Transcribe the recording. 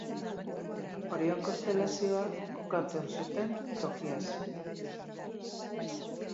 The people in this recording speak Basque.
Orion konstelazioa kokatzen zuten tokia zen.